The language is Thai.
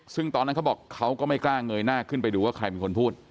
ซึ่งตอนนั้นเขาบอกเขาก็ไม่กล้าเงยหน้าขึ้นไปดูว่าใครเป็นคนพูด